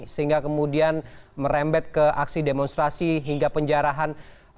sehingga kemudian merembet ke aksi demonstrasi hingga penjarahan